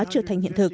trở thành hiện thực